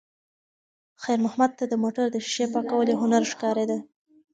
خیر محمد ته د موټر د ښیښې پاکول یو هنر ښکارېده.